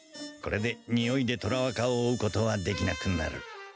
これでにおいで虎若を追うことはできなくなる。